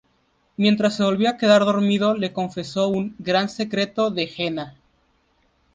Mientras se volvía a quedar dormido le confesó un "gran secreto" de Jenna.